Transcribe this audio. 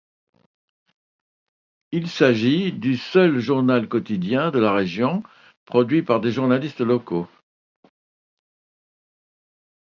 Il s'agit du seul journal quotidien de la région produit par des journalistes locaux.